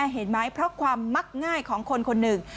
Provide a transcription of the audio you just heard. เห็นไหมเพราะความมักง่ายของคนคนหนึ่ง